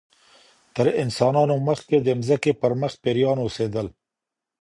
تر انسانانو مخکي د مځکي پر مخ پيريان اوسېدل